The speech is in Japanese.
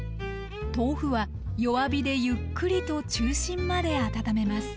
豆腐は弱火でゆっくりと中心まで温めます。